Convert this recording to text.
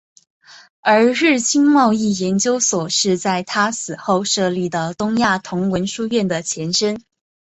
而日清贸易研究所是在他死后设立的东亚同文书院的前身。